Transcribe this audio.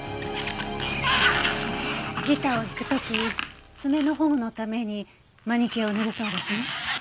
ギターを弾く時爪の保護のためにマニキュアを塗るそうですね。